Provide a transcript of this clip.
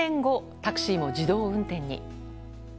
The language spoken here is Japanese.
タクシーも自動運転に。